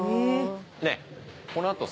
ねぇこの後さ